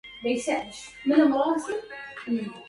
أنسيم هل للدهر وعد صادق